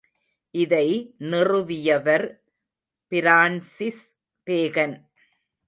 இதை நிறுவியவர் பிரான்சிஸ் பேகன்.